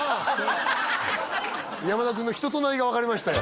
山田くんの人となりが分かりましたよ